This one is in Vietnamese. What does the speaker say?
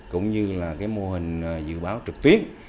cũng như là cái mô hình dự báo trực tuyến